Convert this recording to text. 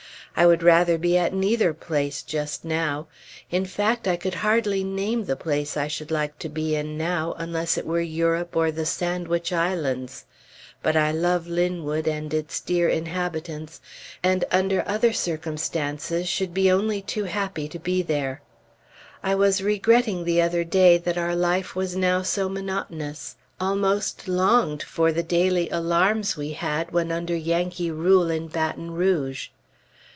I would rather be at neither place, just now; in fact I could hardly name the place I should like to be in now, unless it were Europe or the Sandwich Islands; but I love Linwood and its dear inhabitants, and under other circumstances should be only too happy to be there. I was regretting the other day that our life was now so monotonous; almost longed for the daily alarms we had when under Yankee rule in Baton Rouge.